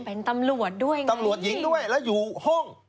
เป็นตำรวจด้วยตำรวจหญิงด้วยแล้วอยู่ห้อง